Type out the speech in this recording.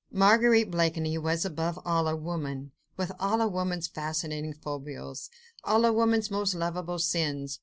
Marguerite Blakeney was, above all, a woman, with all a woman's fascinating foibles, all a woman's most lovable sins.